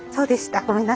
ごめんなさい。